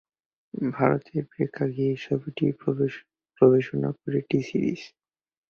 ভারতের প্রেক্ষাগৃহে ছবিটি পরিবেশনা করে টি-সিরিজ।